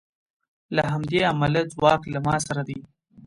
له همدې امله ځواک له ما سره دی